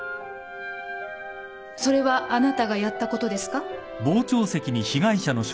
それはあなたがやったことですか？